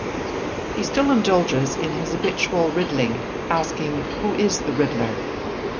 He still indulges in his habitual riddling, asking Who is the Riddler?